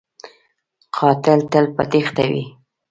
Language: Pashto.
قاتل تل په تیښته وي